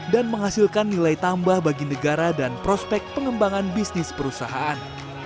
dan menghasilkan nilai tambah bagi negara dan prospek pengembangan bisnis perusahaan